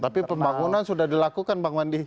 tapi pembangunan sudah dilakukan bang wandi